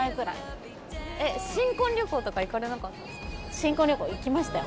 新婚旅行行きましたよ